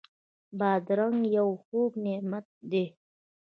بادرنګ یو خوږ نعمت دی.